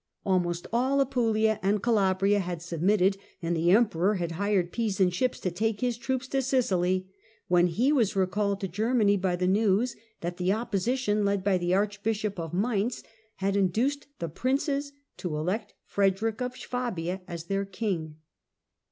Almost all Apulia and Calabria had submitted, and the Emperor had hired Pisan ships to take his troops to Sicily, when he was recalled to Germany by the news that the opposition, led by the Archbishop of Mainz, had induced the princes to elect Frederick of Swabia as their king.